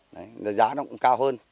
đấy giá nó cũng cao hơn